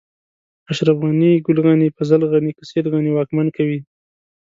اشرف غني، ګل غني، فضل غني، که سيد غني واکمن کوي.